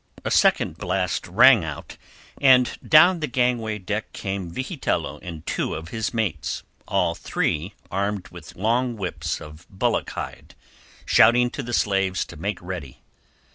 A second blast rang out, and down the gangway deck came Vigitello and two of his mates, all three armed with long whips of bullock hide, shouting to the slaves to make ready.